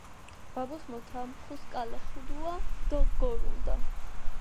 ბაბუს მოთა ხუს კილახედუა დო გორუნდუა